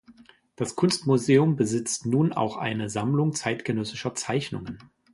Das Kunstmuseum besitzt nun auch eine Sammlung zeitgenössischer Zeichnungen.